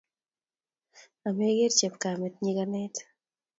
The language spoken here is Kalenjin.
ameger chepkamet nyikanet